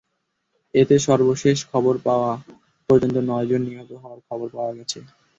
এতে সর্বশেষ খবর পাওয়া পর্যন্ত নয়জন নিহত হওয়ার খবর পাওয়া গেছে।